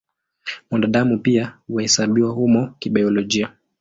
Mwanadamu pia huhesabiwa humo kibiolojia.